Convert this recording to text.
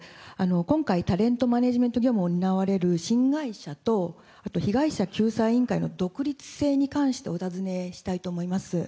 今回、タレントマネージメント業務を担われる新会社と、あと被害者救済委員会の独立性に関してお尋ねしたいと思います。